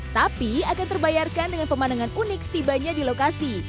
tapi akan terbayarkan dengan pemandangan unik setibanya di lokasi